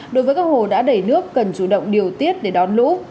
đối với các hồ đã đầy nước cần chủ động điều tiết để đón lũ